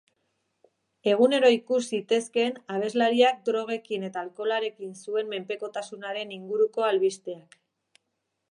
Egunero ikus zitezkeen abeslariak drogekin eta alkoholarekin zuen menpekotasunaren inguruko albisteak.